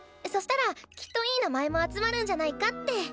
そしたらきっといい名前も集まるんじゃないかって。